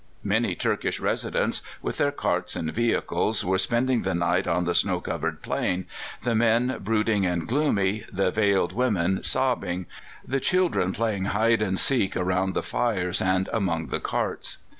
Many Turkish residents, with their carts and vehicles, were spending the night on the snow covered plain, the men brooding and gloomy, the veiled women sobbing, the children playing hide and seek around the fires and among the carts.